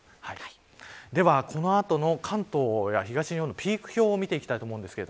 ではこの後の関東や東日本のピーク表を見ていきます。